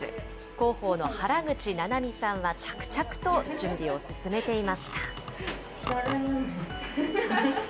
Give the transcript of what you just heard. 広報の原口ななみさんは、着々と準備を進めていました。